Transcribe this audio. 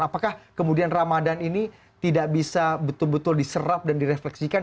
apakah kemudian ramadhan ini tidak bisa betul betul diserap dan direfleksikan